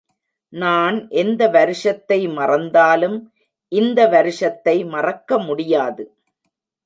நான் எந்த வருஷத்தை மறந்தாலும் இந்த வருஷத்தை மறக்க முடியாது.